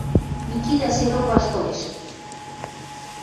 – Микитӓ седок ваштылеш.